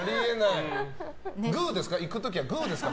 グーですか？